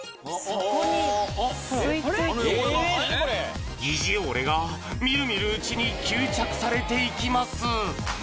そこに吸いついていく疑似汚れがみるみるうちに吸着されていきます